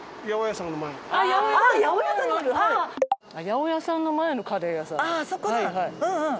八百屋さんの前のカレー屋さん。